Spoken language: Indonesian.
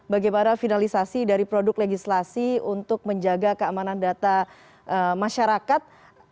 bagaimana finalisasi dari produk legislasi untuk menjaga keamanan data masyarakat